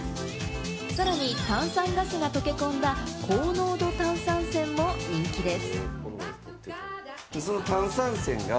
さらに炭酸ガスが溶け込んだ高濃度炭酸泉も人気です。